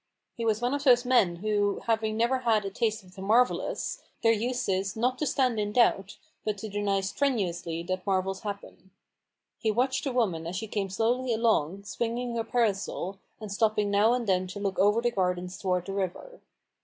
He was one of those men who, having never had a taste of the marvellous, their use is, not to stand in doubt, but to deny strenuously that marvels happen. He watched the woman as HUGO RAVEN'S HAND. I49 she came slowly along, swinging her parasol, and stopping now and then to look over the gardens towards the river.